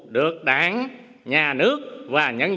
được đảng nhà nước và nhân dân